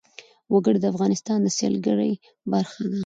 وګړي د افغانستان د سیلګرۍ برخه ده.